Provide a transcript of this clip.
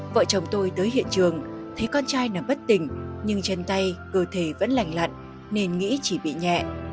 vợ chồng tôi tới hiện trường thấy con trai nằm bất tỉnh nhưng chân tay cơ thể vẫn lành lặn nên nghĩ chỉ bị nhẹ